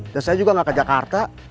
dan saya juga gak ke jakarta